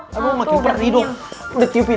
makin perih doh